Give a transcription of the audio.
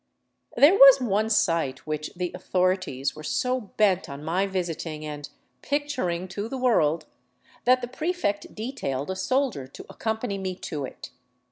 There was one sight which the '' authorities " were so bent on m] visiting and " picturing to the world " that the prefect detailed a soldiei to accompany me to it.